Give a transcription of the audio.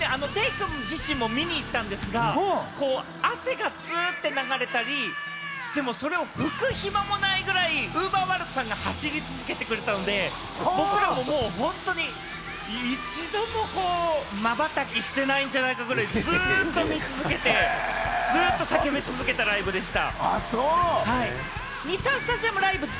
本当にデイくん自身も見に行ったんですが、汗がつって流れたりしても、それを拭く暇もないくらい、ＵＶＥＲｗｏｒｌｄさんが走り続けてくれたので、僕らももう本当に一度も瞬きしてないんじゃないかぐらい、ずっと見続けてずっと叫び続けたライブでした。